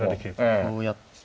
こうやって。